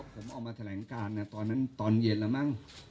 ผมออกมาแสลงการตอนเย็นละมั้ง